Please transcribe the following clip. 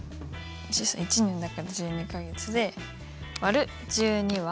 １年だから１２か月で÷１２は？